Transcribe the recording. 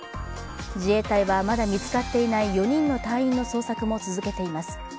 自衛隊はまだ見つかっていない４人の隊員の捜索も続けています。